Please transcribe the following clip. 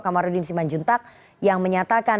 kamarudin siman juntak yang menyatakan